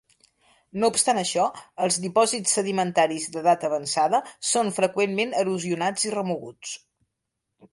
No obstant això, els dipòsits sedimentaris d'edat avançada són freqüentment erosionats i remoguts.